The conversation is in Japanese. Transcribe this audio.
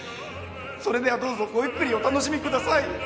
それではどうぞごゆっくりお楽しみください。